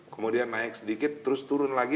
kemudian naik sedikit terus turun lagi